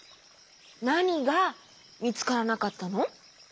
なにがみつからなかったの？